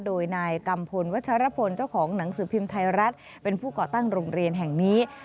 โดยนายกัมพลวัชรพลเจ้าของหนังสือพิมพ์ไทยรัฐเป็นผู้ก่อตั้งโรงเรียนแห่งนี้